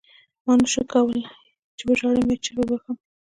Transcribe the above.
ما نشول کولای چې وژاړم یا چیغې ووهم